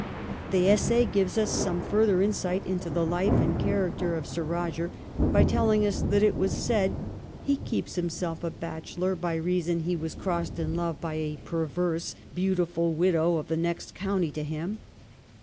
The essay gives us some further insight into the life and character of Sir Eoger by telling us that it was said ' he keeps himself a bachelor by reason he was crossed in love by a perverse, beautiful widow of the next county to him.'